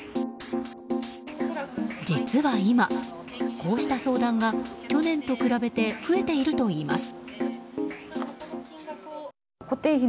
実は今、こうした相談が去年と比べて増えているといいます。